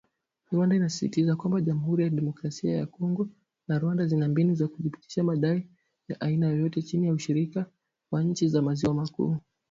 Rwanda inasisitiza kwamba “Jamhuri ya kidemokrasia ya Kongo na Rwanda zina mbinu za kuthibitisha madai ya aina yoyote chini ya ushirika wa nchi za maziwa makuu.